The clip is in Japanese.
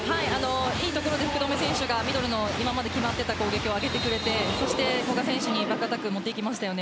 いいところで福留選手がミドルの今まで決まっていた攻撃を上げてくれて古賀選手にバックアタック持っていきましたよね。